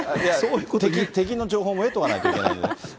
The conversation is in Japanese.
敵の情報も得とかないといけないですからね。